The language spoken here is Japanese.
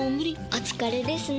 お疲れですね。